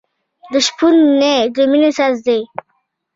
د شپون نی د مینې ساز دی.